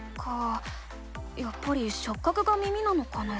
やっぱりしょっ角が耳なのかな？